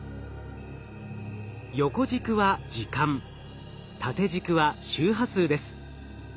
横軸は時間縦軸は周波数です。